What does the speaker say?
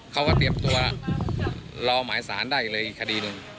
เขาก็เตรียมตัวรอหมายสารได้อีกเลยอีกคดีหนึ่ง